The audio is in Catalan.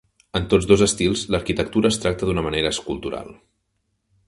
En tots dos estils, l'arquitectura es tracta d'una manera escultural.